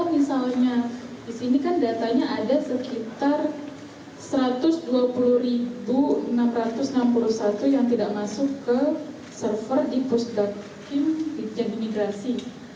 misalnya di sini kan datanya ada sekitar satu ratus dua puluh enam ratus enam puluh satu yang tidak masuk ke server di pusdam dijen imigrasi